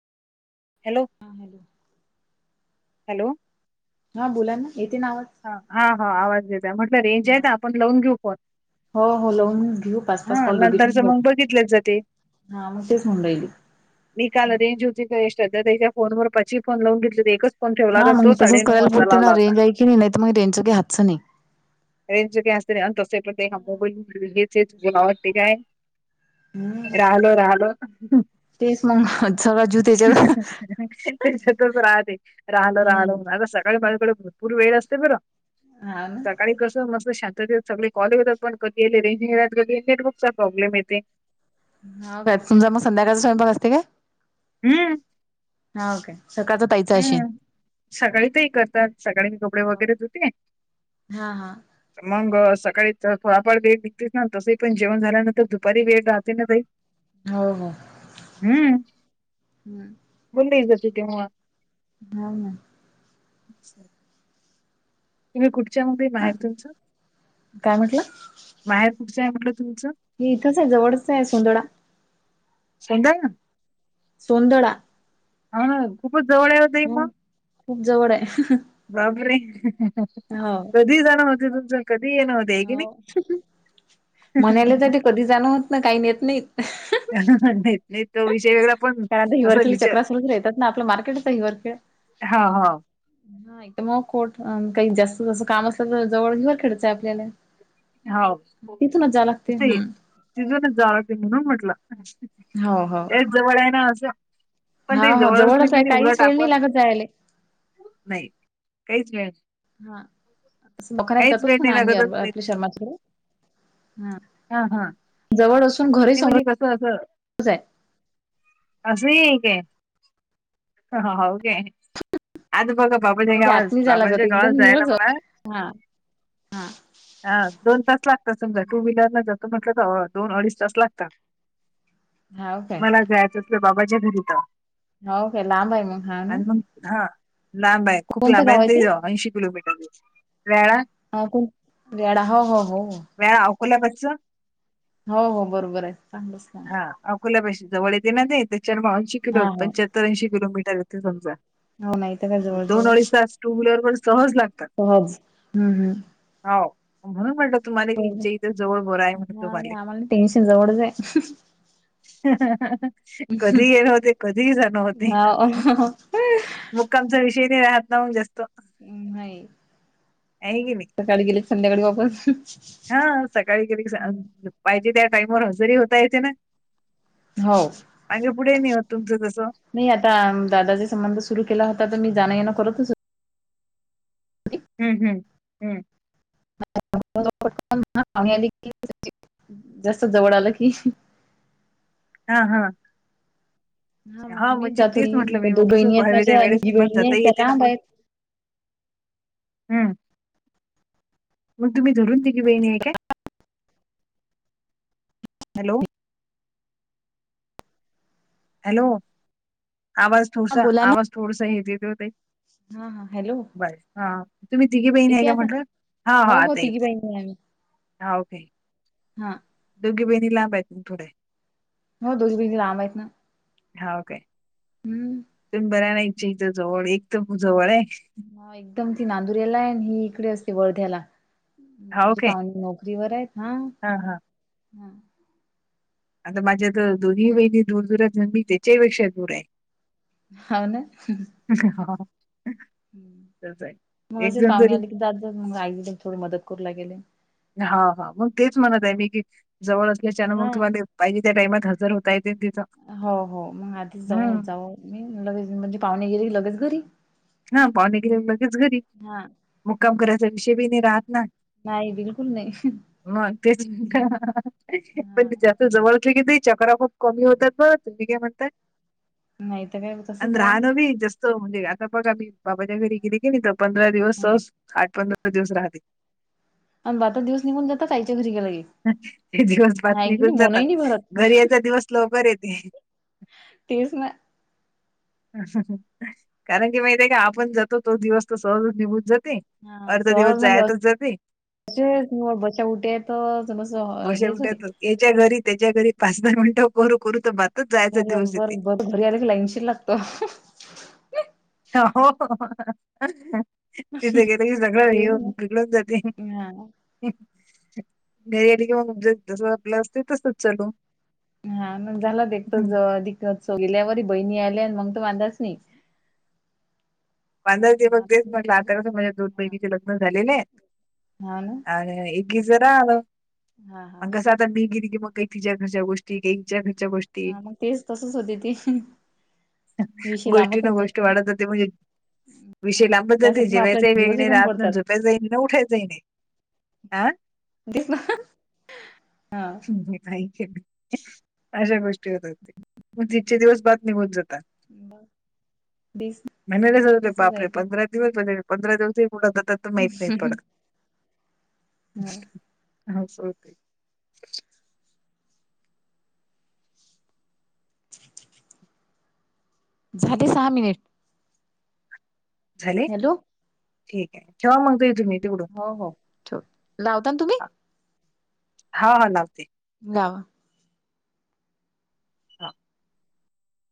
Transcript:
Hello! हा hello! Hello! हा बोला ना येते ना आवाज. ह हा हा आवाज देतय म्हटलं रेंज आहे हा ना आपण लावून घेऊ फोन. हो हो लावून घेऊ पाच पाच हा कॉल दोघी नंतरच मग जात बघितलेच जाते हा मग तेच म्हणून राहिली. मी काल रेंज होती श्रद्धा ताईच्या फोन वर पाची फोन लावून घेतले हो एकच, फोन ठेवला हा तर मग तो तसंच साडेनऊ करायला वाजता पुरते ना लावला होता. रेंज आहे की नाहीत मग रेंज काय हाच नाही. रेंज काय असते आणि तसं एका मोबाईलबाईल हेचच भ्या वाटतं काय. हम्म राहिलो राहिलो. तेच मग, सगळा जीव त्याच्यात त्याच्यातच राहते राहल राहल हम्म म्ह आता सकाळी माझ्याकडे. भरपूर वेळ असतं जरा. ह ना? सकाळी कसं मस्त शांततेत सगळे कॉल ही होतात पण कधी रेंज नाही राहत कधी नेटवर्कचा प्रॉब्लेम येते. हो का तुमचा मग संध्याकाळी स्वयंपाक असते का? हम्म! हाव काय सकाळचा, ताईचा असेल हम्म सकाळी तही करतात सकाळी मी कपडे वगैरे धुते. हा हा मग सकाळी थोडाफार वेळ निघतेस ना तसही पण जेवण झाल्यानंतर दुपारी वेळ राहते ना भाई. हो हो! हम्म बोल तेव्हा. हा ना. [inaudible] तुम्ही कुठच्या? म ना बाहेर तुमचं काय म्हटलं माहेर कुठच्यां आहे म्हटलं तुमचं. हे इथंच आहे जवळच आहे सुोंदडा. सौंदळा. सौंदळा. हा खूपच जवळ हे. हम खूप जवळ आहे बापरे! हो कधी जाण होत तुमच कधी येन हो म्हणाला ज ते कधी जाण होत ना काही नेत नाहीत त नाही तो विषय वेगळा पण कारण असा हिवरखेली विचार चक्र सुरूच राहतात ना आपल्या मार्केटचा हिवरखेळ हा नाही तर मग खोट काही जास्त जसं काम असलं तर जवळ घे खेडचंय आपल्याला हा तिथूनच जावं लागते त हम्म तिजून जाला ते म्हणून म्हटलं हो हो लयच जवळ आहे ना असं पण हा काही हो जवळ असलं जवळच आहे की काहीच उलट वेळ आपण नाही लागत जायले. नाही काहीच हा काहीच नाही निरागस बसलोय शर् मात [unintelligible] हम् हा हा जवळ असून घर -. ते म्हणजे कसं असं अस ही एकय हाव काय आता बघ बाबाच्या म्हणजे गावाात आत नाही जायला लागत बाबाच्या गावात एकदम निवळ जायला मला जवळ हा हा हा दोन तास लागतात समजा टू व्हीलरला जातो म्हटलं तर दोन अडीच तास लागतात. हाव काय मला जायचंच बाबाजी घरी तर हो काे? लांब आहे मग हा ना आणि मग हा लांब आहे खूप लांब आहे ते जाऊ ऐंशी किलोमीटर. हे वेळा हा कोण वेडा हो हो हो वेळा अकोल्या बचं हो हो बरोबर आहे चांगलंच काम हा अकोल्यापशी जवळ येेते ना ते त्याच्याार हा बवऐंशीिो हा पंच्याहत्तर ऐंशी किलोीटर येथे समजा हो नाही तर काय जवळ दोन जवळ अडीच तास टू व्हीलर व सहज लागतात. सहज हम्म हम्म हो म्हणून म्हटलं तुम्हाला हिच्या इथं जवळ बर आहे. म्हण तुम्हाला टेनशन जवळचं आहे हम्म ह ह कधी ये न होते कधीही जाण हो्हते हा मुक्कामचा विषय नाही राहत नाऊन जास्तो म् नाही की नाही. सकाळी गेले संध्याकाळी वापस हा सकाळी कधी पाहिजे त्या टाईमर हजेरी होता. येता ना हो मागे पुढे नाही होत तुमचं तसं नाही आता दादाचा संबंध सुरु केला होता. तर मी जाण येण करतच होते हम्म हम्म हम्म पा आली क जास्त जवळ आलं की हा हा मग हा मीच म्हणजे जात तेच होती म्हटलं मी त्या मग दोन कसं बहिणी आहेत पावे त्या माझ्या आणि वेळेस जी मग बहिणी आहे जाताही त्या येते ना लांब मग आहेत हमम मग तुम्ही धरून तघी बहिणी आहे का? हॅलो हॅलो आवाज हा थोडसा बोला ना आवाज थोडसा हेे होते हा हा हॅलो बरं हा. तुम्ही दिघी बहीणी आहे येते का आता म्हटलं हा हो, हा हो. आता तिघी येतय बहिणी हा ओके हा.. दोघी बहिणी लांब आहेत थोडे हो दोन्ही भैनी लांब आहेत ना हाव काय? हम्म.. तुम ब्या नाही इच्छाित जवळ एक तर जवळ आहे.. ह एकदम ती नांदुरेला आहे ही इकडे असते वर्ध्याला हां, म्हणजे ओके. पाहुणे नोकरीवर आहेत हा. हां, हां. हा.. आता माझ्या तर दोन्ही बहिणी दूर दूर मी त्याच्याहीपेक्षा दूर आहे हो ना.. हा.. तसं आहे. मग एक असे जण पाहणे जरी आले की जाता मग आईल थोडी मदत करू लागेले.. हा हा मग तेच म्हणत आहे मी की जवळ असल्या शिवाय मग हां. तुम्हाला पाहिजे त्या टाइमात हजर होता येते तिथं हो हो मग आधीच जाऊ हं. जाऊ मी लगेच म्हणजे पाहुणे गेले लगेच घरी हा पाहुणे गेरी लगेच घरी हां. मुक्काम करायचा विषय बी नाही राहात ना.. नाही बिलकुल नाही.. म तेच पण हां. जास्त जवळ की चक्रा खूप कमी होतात ब तुमही काय म्हणताय नाही तर काय तसंच आणि आहे. राहणं बी जास्त म्हणजे तर बघ आम्ही बाबाच्या घरी गेली गेली तर पंधरा दिवस हां. स आठ पंधरा दिवस राहते आणि आता दिवस निघून जात आईच्या घरी गेले की ते दिवस आहे की बातमीघून नाही मनही नाही भरत. जातात घरी याचा दिवस लवकर येते.. तेच ना.. कारण की माहित आहे का आपण जातो तो दिवस तर सहज निघून जाते अर्धा दिवस जायतच जाते बशा उठे तर जणस बशा हेच होते उठ्यातच याच्या घरी त्याच्या घरी पाच दहा मिनटं बात करू करू तर मग जायचा झालं दिवस येते बरं बरं घरी आले की लाईनशील लागतो हो हो.. तिथ गेलं क सगळ तेच येऊन ना बिकडून जाते हां. मी गेली की जस आपलं असते तसच चालू हा मग झाला एक हम्म. तत्सव गेल्यावरी बहिणी आल्या मग तो आलाच नाही ते हां, बघते मग आतास माझ्या दोन बहिणीचे लग्न झालेले हां ना. आणि जरा आलं हां, हां. मग कसं आता मी गेली की मग तिच्या घरच्या गोष्टी हिच्या घरच्या गोष्टी हा मग तेच तसच होते ते विषय गोष्टी न लांबतच गोष्टी वाढत जाते म्हणजे विषय हां, लांब जात त्यासाठी मग आपल्या जेवायचा वेग दिवसही नाही कमी राहत पडतात. झोपायच नाही ना उठायचं नाही आ तेच ना.. हा.. नाही केली अशा गोष्टी होत होते मग तितके दिवस बातमी होन जाते मग वीस महिन्याला जातात ते बापरे पंधरा दिवस म्हणजे पंधरा दिवसही कुठ जातात तर माहीत नाहीत पडत हो, अस होतंय ठीक ठीक. झाले सहा मिनिट झाले हॅलो, ठीक आहे कव्हा मग तुम्ही तडून हो, हो. ठेव. लावता ना तुम्ही? हा हा लावते. गावा हा.